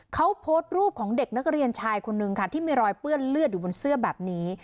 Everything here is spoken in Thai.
เขาโพสต์รูปของเด็กนักเรียนชายคนนึงค่ะที่มีรอยเปื้อนเลือดอยู่บนเสื้อแบบนี้